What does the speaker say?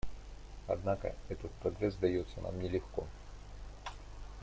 Однако этот прогресс дается нам нелегко.